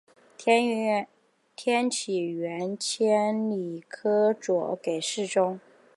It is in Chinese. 天启元年迁礼科左给事中。